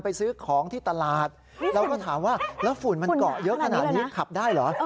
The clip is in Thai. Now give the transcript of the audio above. ซื้อของที่ตลาดเราก็ถามว่าแล้วฝุ่นมันเกาะเยอะขนาดนี้ขับได้เหรอ